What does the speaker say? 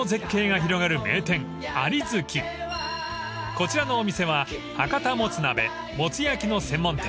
［こちらのお店は博多もつ鍋もつ焼きの専門店］